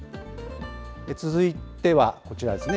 続いては、こちらですね。